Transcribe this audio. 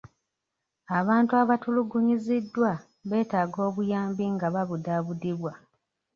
Abantu abatulugunyiziddwa beetaaga obuyambi nga babudaabudibwa.